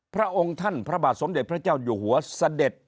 พระองค์ท่านพระบาทสมเด็จพระเจ้าอยู่หัวเสด็จ